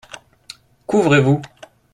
Qu’ouvrez-vous ?